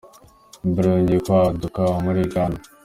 Ebola yongeye kwaduka muri Uganda